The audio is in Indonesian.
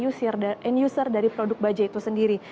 namun yang penting ini adalah sebagai end user dari produk baja itu sendiri